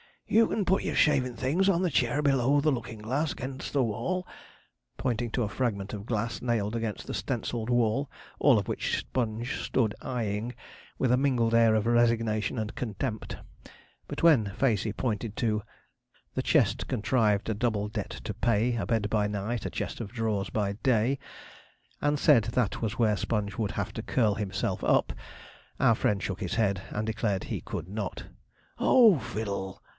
You can put your shavin' things on the chair below the lookin' glass 'gainst the wall,' pointing to a fragment of glass nailed against the stencilled wall, all of which Sponge stood eyeing with a mingled air of resignation and contempt; but when Facey pointed to: 'The chest, contrived a double debt to pay A bed by night, a chest of drawers by day' and said that was where Sponge would have to curl himself up, our friend shook his head, and declared he could not. 'Oh, fiddle!'